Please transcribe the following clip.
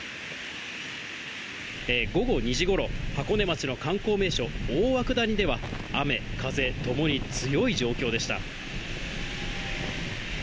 午後２時ごろ、箱根町の観光名所、大涌谷では、雨、風ともに強い状況でした。